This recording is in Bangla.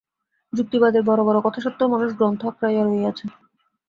যুক্তিবাদের বড় বড় কথা সত্ত্বেও মানুষ গ্রন্থ আঁকড়াইয়া রহিয়াছে।